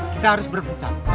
kita harus berbentak